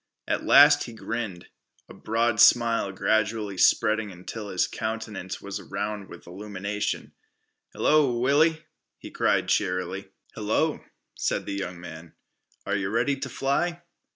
At last he grinned, a broad smile gradually spreading until his countenance was a round illumination. "Hello, Willie," he cried cheerily. "Hello," said the young man. "Are yeh ready t' fly?"